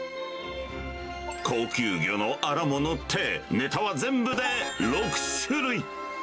高級魚のアラも載って、ねたは全部で６種類。